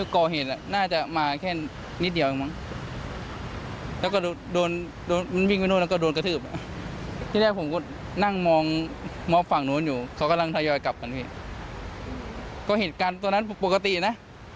ก็เหตุการณ์ตอนนั้นปกตินะ